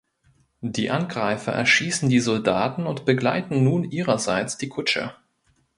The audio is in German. Die Angreifer erschießen die Soldaten und begleiten nun ihrerseits die Kutsche.